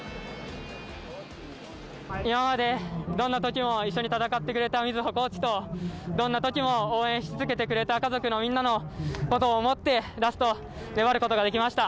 今までどんな時も一緒に戦ってくれたコーチとどんな時も応援し続けてくれた家族みんなのことを思って、ラスト粘ることができました。